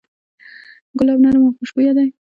ګلاب نرم او خوشبویه دی.